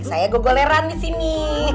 saya gogoleran di sini